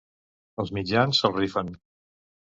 Els mitjans se'l rifen.